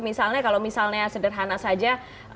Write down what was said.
misalnya kalau misalnya sederhana saja